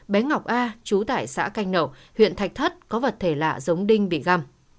bé ngọc a chú tại xã canh nậu huyện thạch thất có vật thể lạ giống đinh bị găm